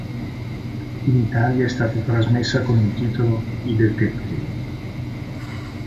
In Italia è stata trasmessa con il titolo "I detectives".